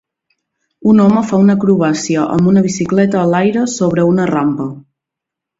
Un home fa una acrobàcia amb una bicicleta a l'aire sobre una rampa.